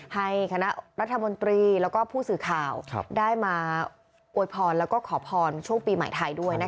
ให้คณะรัฐมนตรีแล้วก็ผู้สื่อข่าวได้มาอวยพรแล้วก็ขอพรช่วงปีใหม่ไทยด้วยนะคะ